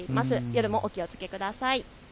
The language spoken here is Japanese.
夜もお気をつけください。